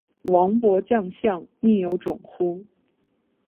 王侯将相，宁有种乎